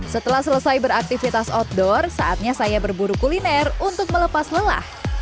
setelah selesai beraktivitas outdoor saatnya saya berburu kuliner untuk melepas lelah